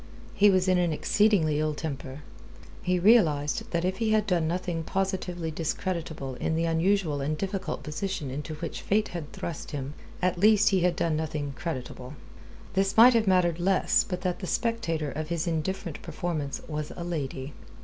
He was in an exceedingly ill temper. He realized that if he had done nothing positively discreditable in the unusual and difficult position into which Fate had thrust him, at least he had done nothing creditable. This might have mattered less but that the spectator of his indifferent performance was a lady.